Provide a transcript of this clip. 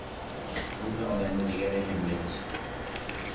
روح آیندهنگر هملت